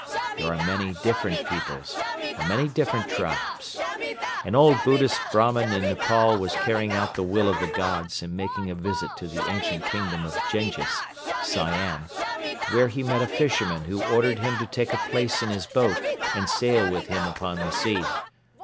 There are many different peoples and many different tribes. An old Buddhist Brahman in Nepal was carrying out the will of the Gods in making a visit to the ancient kingdom of Jenghiz, Siam, where he met a fisherman who ordered him to take a place in his boat and sail with him upon the sea.